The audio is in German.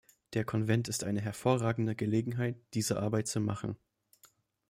Der Konvent ist eine hervorragende Gelegenheit, diese Arbeit zu machen.